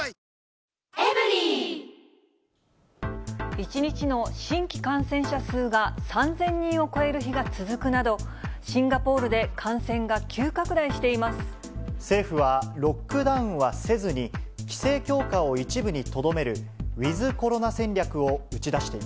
１日の新規感染者数が３０００人を超える日が続くなど、シンガポールで感染が急拡大して政府は、ロックダウンはせずに、規制強化を一部にとどめる、ウィズコロナ戦略を打ち出してい